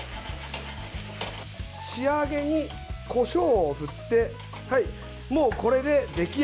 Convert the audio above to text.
仕上げに、こしょうを振ってもうこれで出来上がりです。